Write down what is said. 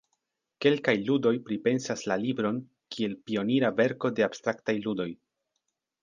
Kelkaj ludoj pripensas la libron kiel pionira verko de abstraktaj ludoj.